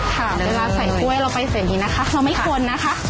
ค่ะเวลาใส่กล้วยเราไปเสร็จอย่างนี้นะคะเราไม่ควรนะคะ